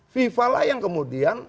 fifa lah yang kemudian